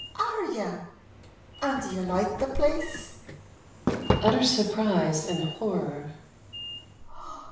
Are ye ? An' d' ye loike the place? [Utter surprise and horror.